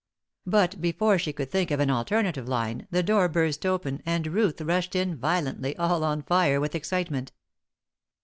But before she could think of an alternative line the door burst open and Ruth rushed in violently, all on fire with excitement.